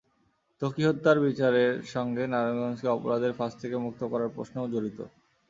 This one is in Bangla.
ত্বকী হত্যার বিচারের সঙ্গে নারায়ণগঞ্জকে অপরাধের ফাঁস থেকে মুক্ত করার প্রশ্নও জড়িত।